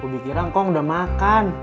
ku bikiran kong udah makan